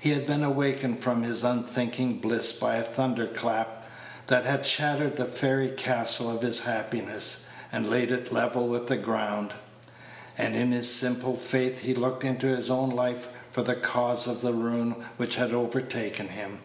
He had been awakened from his unthinking bliss by a thunder clap, that had shattered the fairy castle of his happiness, and laid it level with the ground; and in his simple faith he looked into his own life for the cause of the ruin which had overtaken him.